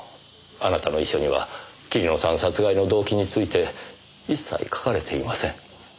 あなたの遺書には桐野さん殺害の動機について一切書かれていません。